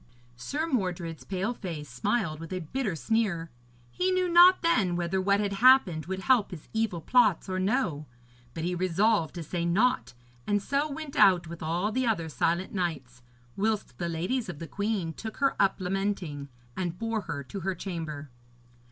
Sir Mordred's pale face smiled with a bitter sneer. He knew not then whether what had happened would help his evil plots or no; but he resolved to say naught, and so went out with all the other silent knights, whilst the ladies of the queen took her up lamenting, and bore her to her chamber.